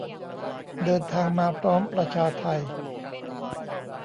เดินทางมาพร้อมประชาไท